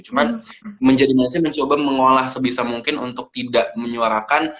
cuman menjadi nasi mencoba mengolah sebisa mungkin untuk tidak menyuarakan